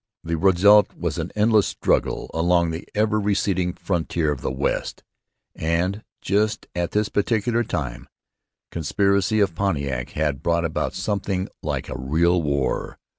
The result was an endless struggle along the ever receding frontier of the West. And just at this particular time the 'Conspiracy of Pontiac' had brought about something like a real war.